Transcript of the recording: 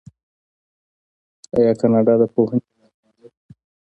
آیا کاناډا د پوهنې اداره نلري؟